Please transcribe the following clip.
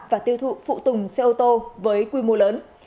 và tiêu thụ phụ tùng xe ô tô với quy mô lớn